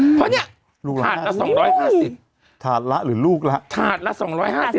โอ้โหเพราะเนี้ยถาดละสองร้อยห้าสิบถาดละหรือลูกละถาดละสองร้อยห้าสิบ